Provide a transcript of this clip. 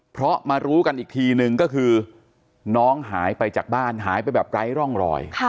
เพราะมารู้กันอีกทีนึงก็คือน้องหายไปจากบ้านหายไปแบบไร้ร่องรอย